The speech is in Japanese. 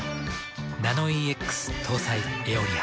ナノイーＸ搭載「エオリア」。